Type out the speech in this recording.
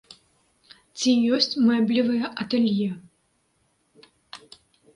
Ці ёсць мэблевыя атэлье?